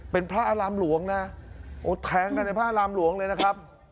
เป็นพระอารามหลวงนะโอ้แทงกันในพระรามหลวงเลยนะครับ